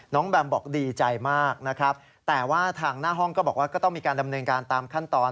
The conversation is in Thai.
แบมบอกดีใจมากนะครับแต่ว่าทางหน้าห้องก็บอกว่าก็ต้องมีการดำเนินการตามขั้นตอน